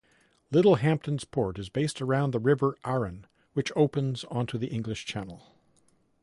Littlehampton's port is based around the River Arun, which opens onto the English Channel.